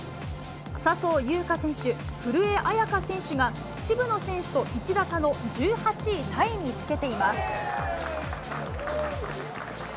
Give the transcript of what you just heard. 笹生優花選手、古江彩佳選手が渋野選手と１打差の１８位タイにつけています。